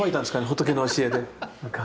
仏の教えで。